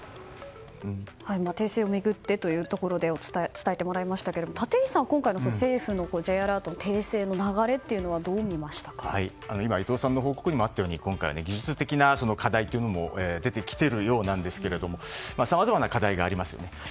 訂正を巡ってということで伝えてもらいましたが立石さんは今回の政府のＪアラートの訂正の流れを伊藤さんの報告にもあったように今回は技術的な課題というのも出てきているようなんですけれどさまざまな課題があります。